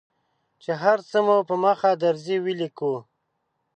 چې هر څه مو په مخه درځي ولیکو.